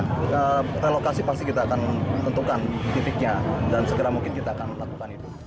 nah relokasi pasti kita akan tentukan titiknya dan segera mungkin kita akan melakukan itu